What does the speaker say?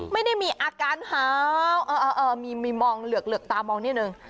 ไม่ได้มีอาการเหลือกตามองนิดนึง